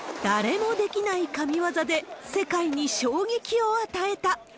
誰もできない神業で、世界に衝撃を与えた。